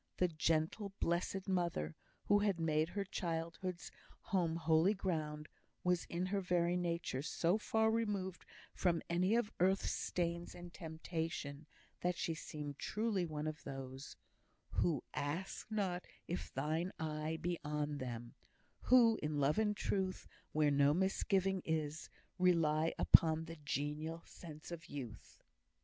The gentle, blessed mother, who had made her childhood's home holy ground, was in her very nature so far removed from any of earth's stains and temptations, that she seemed truly one of those Who ask not if Thine eye Be on them; who, in love and truth, Where no misgiving is, rely Upon the genial sense of youth.